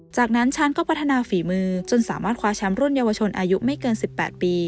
จากนั้นช้างก็พัฒนาฝีมือจนสามารถคว้าแชมป์รุ่นเยาวชนอายุไม่เกิน๑๘ปี